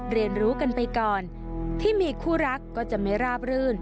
เรียนรู้กันไปก่อนที่มีคู่รักก็จะไม่ราบรื่น